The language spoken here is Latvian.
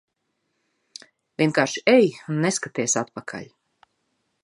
Vienkārši ej un neskaties atpakaļ.